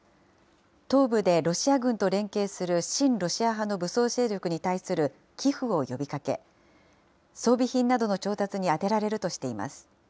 東部でロシア軍と連携する親ロシア派の武装勢力に対する寄付を呼びかけ、装備品などの調達に充てられるとしています。